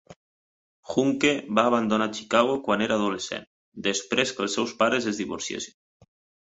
Huncke va abandonar Chicago quan era adolescent, després que els seus pares es divorciessin.